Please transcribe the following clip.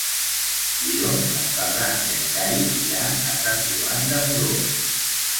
Dilluns en Ferran i en Cai iran a Sant Joan de Moró.